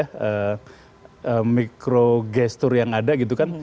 karena mikro gestur yang ada gitu kan